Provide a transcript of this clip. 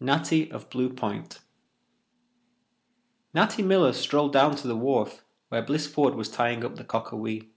Natty of Blue PointToC Natty Miller strolled down to the wharf where Bliss Ford was tying up the Cockawee.